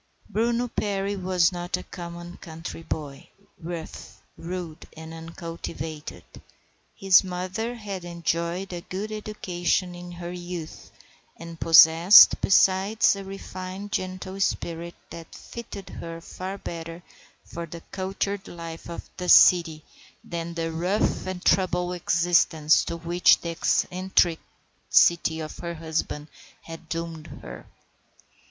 Bruno Perry was not a common country boy, rough, rude, and uncultivated. His mother had enjoyed a good education in her youth, and possessed besides a refined, gentle spirit that fitted her far better for the cultured life of the city than the rough and tumble existence to which the eccentricity of her husband had doomed her.